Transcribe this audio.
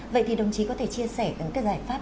vậy thì đồng chí có thể chia sẻ những giải pháp